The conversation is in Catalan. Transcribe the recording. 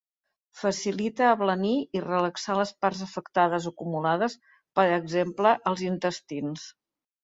Facilita ablanir i relaxar les parts afectades acumulades per exemple als intestins.